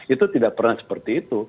itu tidak pernah seperti itu